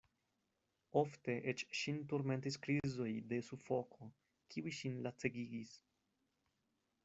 Ofte eĉ ŝin turmentis krizoj de sufoko, kiuj ŝin lacegigis.